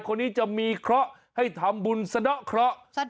คนนี้จะมีเคราะห์ให้ทำบุญสะดอกเคราะห์